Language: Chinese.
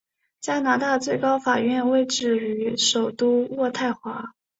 加拿大最高法院位置于首都渥太华。